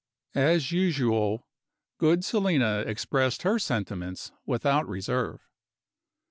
As usual, good Selina expressed her sentiments without reserve.